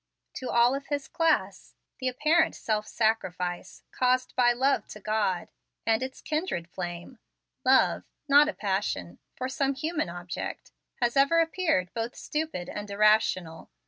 To all of his class, the apparent self sacrifice caused by love to God, and its kindred flame, love (not a passion) for some human object, has ever appeared both stupid and irrational.